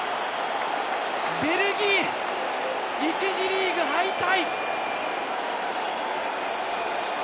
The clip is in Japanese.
ベルギー、１次リーグ敗退！